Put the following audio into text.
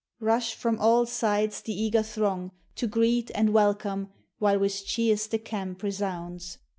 Rush from all sides the eager throng to greet And welcome while with cheers the camp resounds.